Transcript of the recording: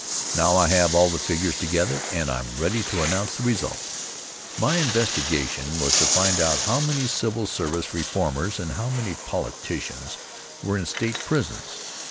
Now I have all the figures together, and I'm ready to announce the result. My investigation was to find out how many civil service reformers and how many politicians were in state prisons.